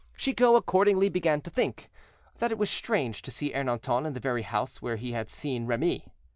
Chicot, accordingly, began to think, that it was strange to see Ernanton in the very house where he bad seen Remy.